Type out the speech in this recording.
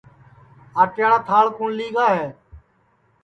آٹے یاڑا تھاݪ کُوٹؔ لی گا ہے